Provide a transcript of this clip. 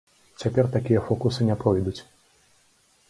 Цяпер такія фокусы не пройдуць.